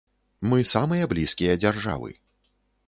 Мы самыя блізкія дзяржавы.